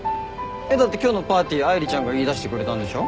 だって今日のパーティー愛梨ちゃんが言いだしてくれたんでしょ？